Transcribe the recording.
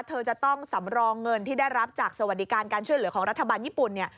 เธอจะต้องสำรองเงินที่ได้รับจากสวัสดิการการช่วยเหลือของรัฐบาลญี่ปุ่นเนี่ย